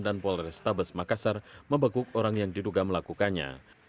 dan polres tabes makassar membaguk orang yang diduga melakukannya